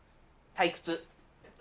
退屈。